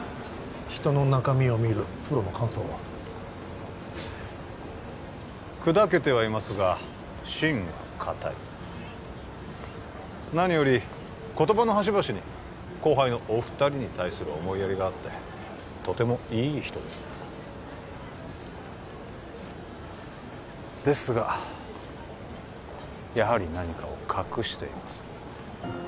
人の中身を見るプロの感想はくだけてはいますが芯はかたい何より言葉の端々に後輩のお二人に対する思いやりがあってとてもいい人ですですがやはり何かを隠しています